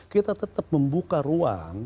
kita tetap membuka ruang